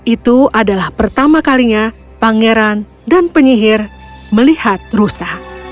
itu adalah pertama kalinya pangeran dan penyihir melihat rusa